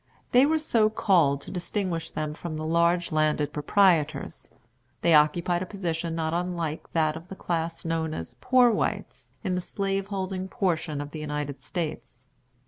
They were so called to distinguish them from the large landed proprietors. They occupied a position not unlike that of the class known as "poor whites" in the slaveholding portion of the United States.